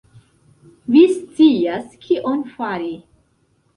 Vi scias kion fari!